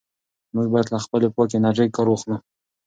موږ باید له پاکې انرژۍ کار واخلو.